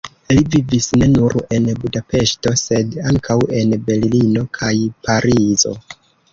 Li vivis ne nur en Budapeŝto, sed ankaŭ en Berlino kaj Parizo.